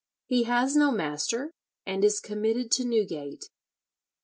"He has no master, and is committed to Newgate."